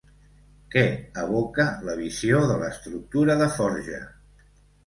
Què evoca la visió de l'estructura de forja?